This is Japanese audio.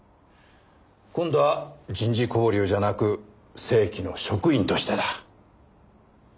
今度は人事交流じゃなく正規の職員としてだ。